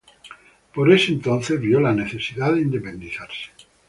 Por ese entonces vio la necesidad de independizarse.